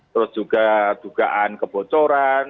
terus juga dugaan kebocoran